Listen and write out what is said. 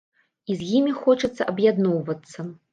І з імі хочацца аб'ядноўвацца.